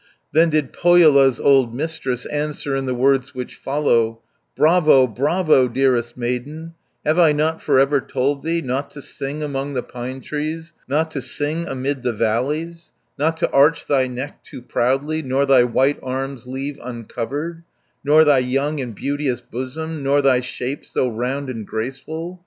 Then did Pohjola's old Mistress Answer in the words which follow: "Bravo, bravo, dearest maiden, Have I not for ever told thee, Not to sing among the pine trees, Not to sing amid the valleys, Not to arch thy neck too proudly, Nor thy white arms leave uncovered, 470 Nor thy young and beauteous bosom, Nor thy shape so round and graceful?